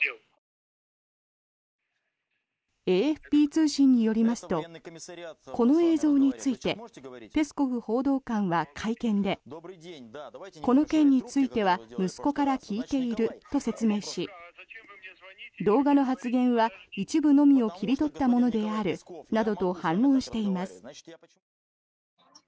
ＡＦＰ通信によりますとこの映像についてペスコフ報道官は会見でこの件については息子から聞いていると説明し動画の発言は、一部のみを切り取ったものであるなどと反論しています。